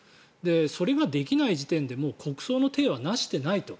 それができない時点でもう国葬の体は成していないと。